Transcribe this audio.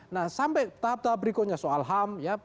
nah sampai tahap tahap berikutnya soal ham ya